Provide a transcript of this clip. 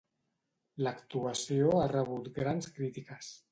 L'actuació ha rebut grans crítiques.